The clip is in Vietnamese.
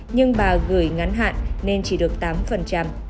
nhưng bà gửi ngắn hạn nên chỉ được tám